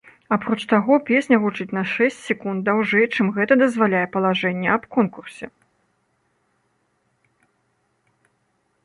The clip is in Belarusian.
Апроч таго, песня гучыць на шэсць секунд даўжэй, чым гэта дазваляе палажэнне аб конкурсе.